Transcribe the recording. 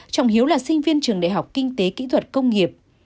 trọng hiếu là sinh viên trường đại học kinh tế kỹ thuật công nghiệp